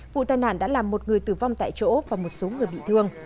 vụ tai nạn đã làm một người tử vong tại chỗ và một số người bị thương